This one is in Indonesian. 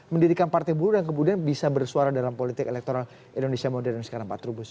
mendirikan partai buruh yang kemudian bisa bersuara dalam politik elektoral indonesia modern sekarang pak trubus